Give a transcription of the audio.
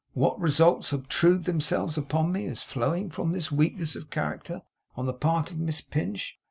what results obtrude themselves upon me as flowing from this weakness of character on the part of Miss Pinch!